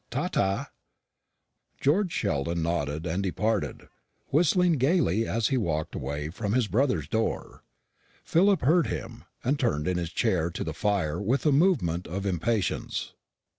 Ta ta." George Sheldon nodded and departed, whistling gaily as he walked away from his brother's door. Philip heard him, and turned his chair to the fire with a movement of impatience.